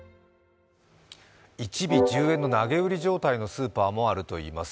１尾１０円の投げ売り状態のスーパーもあるということです。